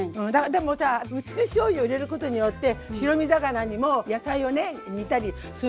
でもさ薄口しょうゆを入れることによって白身魚にも野菜をね煮たりする時もさ対応できると思って。